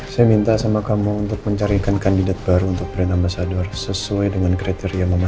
saya minta sama kamu untuk mencarikan kandidat baru untuk brand ambasador sesuai dengan kriteria mama